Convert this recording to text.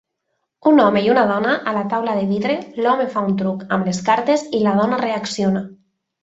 Un home i una dona a la taula de vidre, l'home fa un truc amb les cartes i la dona reacciona.